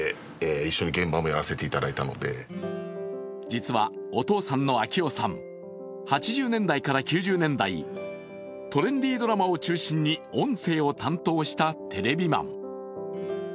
実はお父さんの明夫さん、８０年代から９０年代、トレンディードラマを中心に音声を担当したテレビマン。